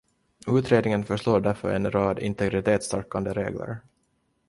Utredningen förslår därför en rad integritetsstärkande regler.